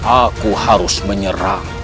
aku harus menyerang